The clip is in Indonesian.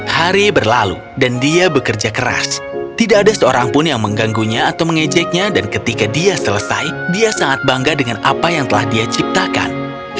hari berlalu dan dia bekerja keras tidak ada seorang pun yang mengganggunya atau mengejeknya dan ketika dia selesai dia sangat bangga dengan apa yang telah dia ciptakan